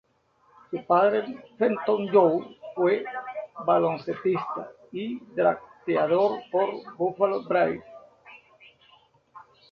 Su padre Felton Young fue baloncestista y drafteado por Buffalo Braves.